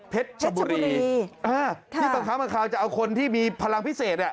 เพชรชบุรีฮะที่บางค้าบางค้าจะเอาคนที่มีพลังพิเศษ